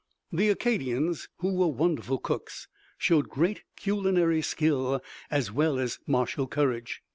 The Acadians, who were wonderful cooks, showed great culinary skill as well as martial courage.